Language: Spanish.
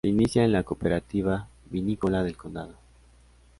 Se inicia en la Cooperativa Vinícola del Condado.